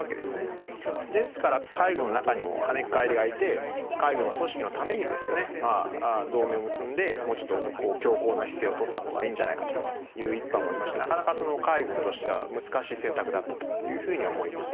ですから海軍の中にもはねっ返りがいて海軍の組織のためにですね同盟を結んでもうちょっと強硬な姿勢を取ったほうがいいんじゃないかという一派もいますしなかなか海軍としては難しい選択だったというふうに思います。